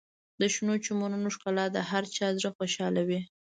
د شنو چمنونو ښکلا د هر چا زړه خوشحالوي.